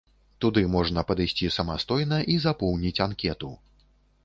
Туды можна падысці самастойна і запоўніць анкету.